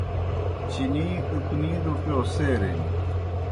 چینی اُکنِی روپِیؤ سیرِن۔